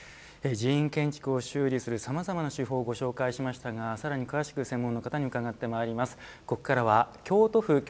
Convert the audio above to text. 寺院建築を修理するさまざまな手法をご紹介しましたがさらに詳しく専門の方にうかがってまいります。